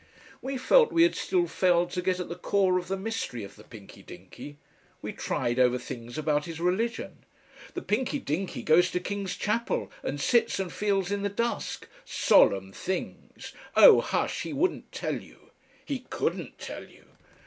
We felt we had still failed to get at the core of the mystery of the Pinky Dinky. We tried over things about his religion. "The Pinky Dinky goes to King's Chapel, and sits and feels in the dusk. Solemn things! Oh HUSH! He wouldn't tell you " "He COULDN'T tell you."